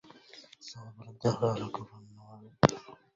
صابر الدهر على كر النوائب